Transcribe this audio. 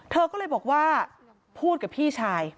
เธอก็เลยบอกว่าพูดกับพี่ชาย